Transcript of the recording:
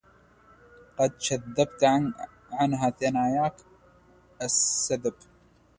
قد شَذَّبت عنها ثناياك السَّذَب